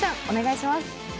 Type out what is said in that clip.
お願いします。